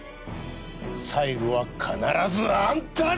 最後は必ずあんたに勝つ！